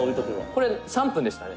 「これ、３分でしたね」